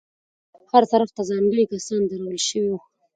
هر طرف ته ځانګړي کسان درول شوي وو.